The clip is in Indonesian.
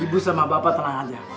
ibu sama bapak tenang aja